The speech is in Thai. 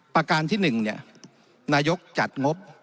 ประการที่๑เนี่ยนายกจัดงบ